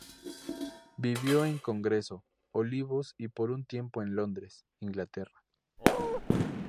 Vivió en Congreso, Olivos y por un tiempo en Londres, Inglaterra.